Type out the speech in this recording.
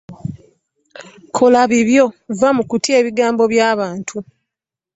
Kola bibyo vva mu kutya ebigambo by'abantu.